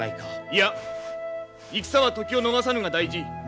いや戦は時を逃さぬが大事。